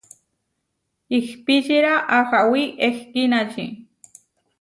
Ihpíčira ahawí ehkínači.